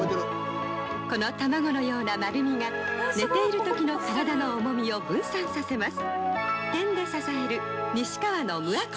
この卵のような丸みが寝ている時の体の重みを分散させます。